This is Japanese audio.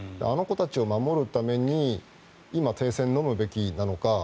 あの子たちを守るために今、停戦をのむべきなのか。